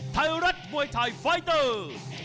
ไทยรัฐมวยไทยไฟเตอร์